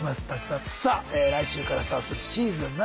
さあ来週からスタートするシーズン７。